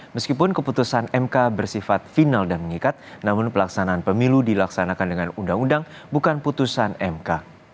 meskipun keputusan mk bersifat final dan mengikat namun pelaksanaan pemilu dilaksanakan dengan undang undang bukan putusan mk